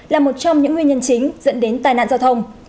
là một trong những nguyên nhân chính dẫn đến tai nạn giao thông